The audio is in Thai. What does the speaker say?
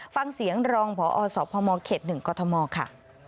ฟังเสียงรองพอสพมเขต๑กรทมค่ะ